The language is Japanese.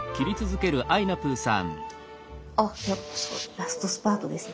ラストスパートですね。